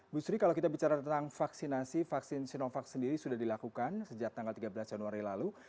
bu sri kalau kita bicara tentang vaksinasi vaksin sinovac sendiri sudah dilakukan sejak tanggal tiga belas januari lalu